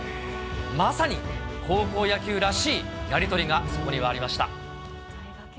まさに高校野球らしいやり取りがそこにはありました。